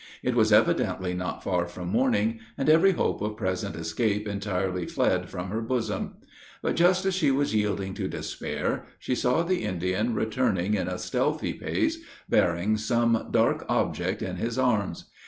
It was evidently not far from morning, and every hope of present escape entirely fled from her bosom. But just as she was yielding to despair, she saw the Indian returning in a stealthy pace, bearing some dark object in his arms.